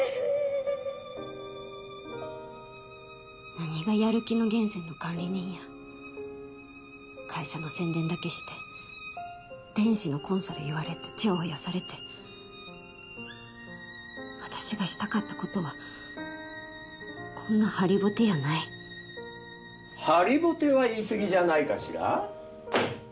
何がやる気の源泉の管理人や会社の宣伝だけして天使のコンサル言われてチヤホヤされて私がしたかったことはこんな張りぼてやない張りぼては言いすぎじゃないかしら？